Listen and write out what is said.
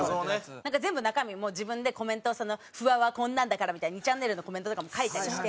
全部中身も自分でコメントを「フワはこんなんだから」みたいに２ちゃんねるのコメントとかも書いたりして。